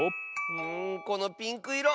うんこのピンクいろ